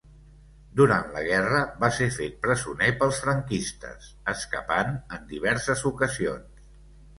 Durant la guerra va ser fet presoner pels franquistes, escapant en diverses ocasions.